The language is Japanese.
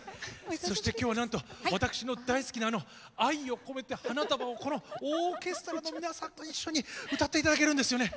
そして今日はなんと私の大好きな「愛をこめて花束を」をこのオーケストラの皆さんと一緒に歌って頂けるんですよね。